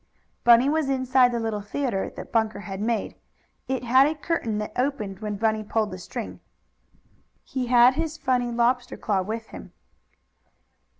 Bunny was inside the little theatre that Bunker had made. It had a curtain that opened when Bunny pulled the string. He had his funny lobster claw with him.